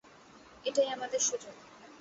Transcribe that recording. এটাই আমাদের সুযোগ!